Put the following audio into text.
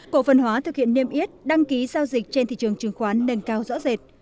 cổ phần hóa thực hiện niêm yết đăng ký giao dịch trên thị trường chứng khoán nền cao rõ rệt